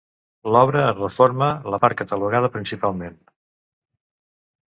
L'obra es reforma, la part catalogada principalment.